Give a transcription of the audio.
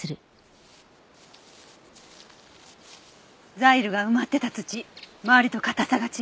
ザイルが埋まってた土周りと硬さが違う。